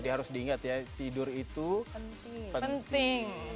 jadi harus diingat ya tidur itu penting